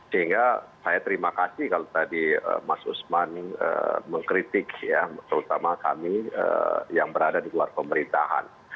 sehingga saya terima kasih kalau tadi mas usman mengkritik ya terutama kami yang berada di luar pemerintahan